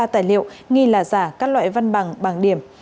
ba tài liệu nghi là giả các loại văn bằng bằng điểm